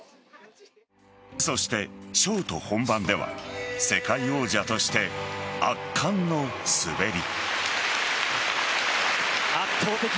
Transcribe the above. そしてショート本番では世界王者として圧巻の滑り。